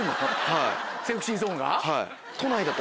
はい。